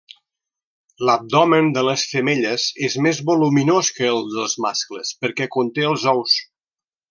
L'abdomen de les femelles és més voluminós que el dels mascles perquè conté els ous.